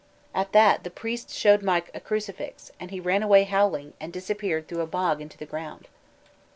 At that the priest showed Mike a crucifix, and he ran away howling, and disappeared through a bog into the ground.